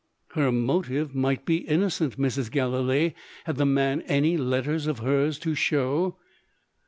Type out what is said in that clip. "Her motive might be innocent, Mrs. Gallilee. Had the man any letters of hers to show?"